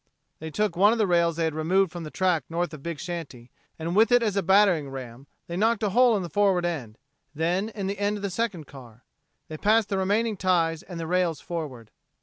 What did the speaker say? They took one of the rails they had removed from the track north of Big Shanty, and with it as a battering ram knocked a hole in the forward end; then in the end of the second car. They passed the remaining ties and the rails forward.